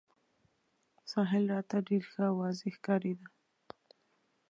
ساحل راته ډېر ښه او واضح ښکارېده.